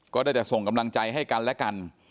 ก็ได้แต่ส่งกำลังใจให้กันและกัน